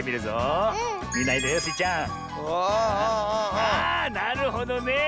あなるほどね！